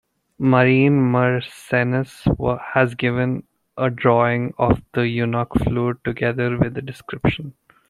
Marin Mersennus has given a drawing of the eunuch flute together with a description.